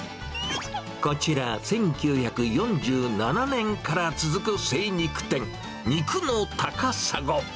こちら、１９４７年から続く精肉店、肉のたかさご。